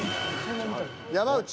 山内。